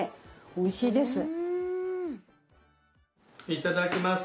いただきます。